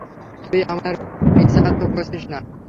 তুই আমার পিঁছা তো করছিস না?